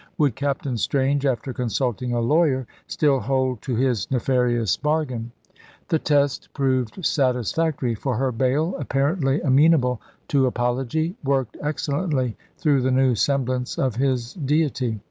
Would Captain Strange, after consulting a lawyer, still hold to his nefarious bargain? The test proved satisfactory, for her Baal, apparently amenable to apology, worked excellently through the new semblance of his deity.